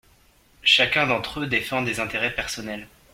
Chacun d’entre eux défend des intérêts personnels.